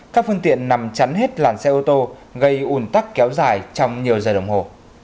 các phương tiện nằm chắn hết làn xe ô tô gây ủn tắc kéo dài trong nhiều giờ đồng hồ